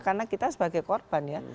karena kita sebagai korban ya